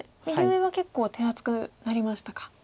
右上は結構手厚くなりましたか。